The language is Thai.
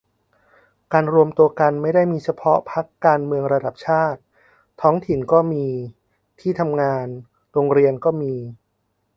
การรวมตัวกันไม่ได้มีเฉพาะพรรคการเมืองระดับชาติ ท้องถิ่นก็มี ที่ทำงาน โรงเรียนก็มี